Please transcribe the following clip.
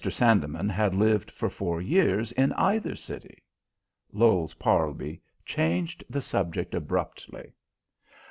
Sandeman had lived for four years in either city. Lowes Parlby changed the subject abruptly.